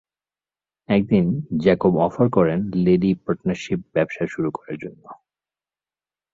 একদিন Jacob offer করেন Levi partnership ব্যবসা শুরু করার জন্য।